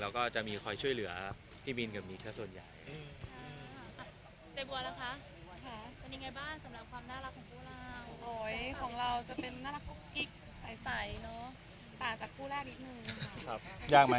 ยากไหมทำใสกุ๊กกิ๊กยากไหม